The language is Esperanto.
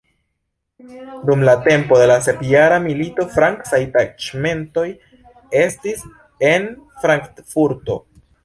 Dum la tempo de la Sepjara milito francaj taĉmentoj estis en Frankfurto.